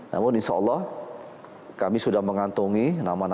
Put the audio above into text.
namun insyaallah kami sudah mengantongi nama nama para tersangka